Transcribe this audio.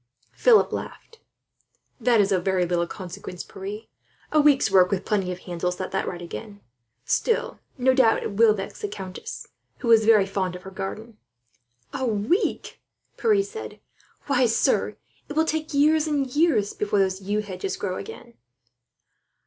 Philip laughed. "That is of very little consequence, Pierre. A week's work, with plenty of hands, will set that right again. Still, no doubt it will vex the countess, who is very fond of her garden." "A week!" Pierre said. "Why, sir, it will take years and years before those yew hedges grow again."